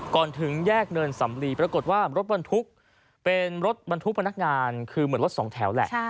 ถึงแยกเนินสำลีปรากฏว่ารถบรรทุกเป็นรถบรรทุกพนักงานคือเหมือนรถสองแถวแหละ